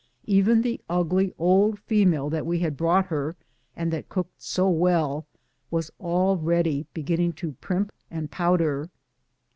Even the ugly old female that we had brouglit her, and that cooked so well, was already beginning to primp and powder.